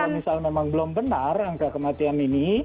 kalau misal memang belum benar angka kematian ini